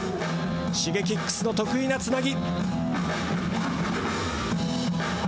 Ｓｈｉｇｅｋｉｘの得意なつなぎ。